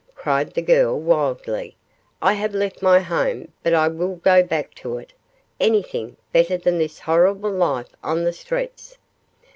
cried the girl, wildly, 'I have left my home, but I will go back to it anything better than this horrible life on the streets.